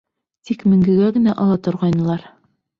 Тик менгегә генә ала торғайнылар.